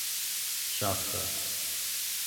Shasta.